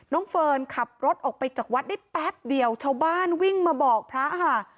เฟิร์นขับรถออกไปจากวัดได้แป๊บเดียวชาวบ้านวิ่งมาบอกพระค่ะ